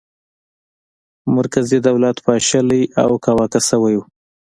مرکزي دولت پاشلی او کاواکه شوی و.